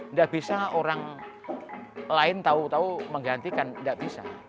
nggak bisa orang lain tau tau menggantikan nggak bisa